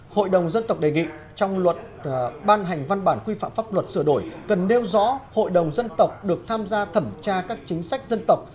hội đồng dân tộc đề nghị trong luật ban hành văn bản quy phạm pháp luật sửa đổi cần nêu rõ hội đồng dân tộc được tham gia thẩm tra các chính sách dân tộc